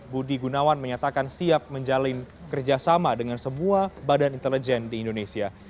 budi gunawan menyatakan siap menjalin kerjasama dengan semua badan intelijen di indonesia